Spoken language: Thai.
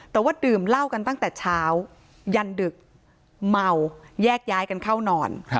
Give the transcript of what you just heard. แต่ว่าดื่มเหล้ากันตั้งแต่เช้ายันดึกเมาแยกย้ายกันเข้านอน